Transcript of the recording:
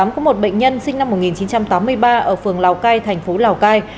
có một bệnh nhân sinh năm một nghìn chín trăm tám mươi ba ở phường lào cai thành phố lào cai